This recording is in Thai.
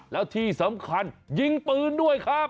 แล้วที่สำคัญยิงปืนด้วยครับ